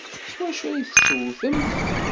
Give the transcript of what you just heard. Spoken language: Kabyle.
S wacu ay tettewtemt?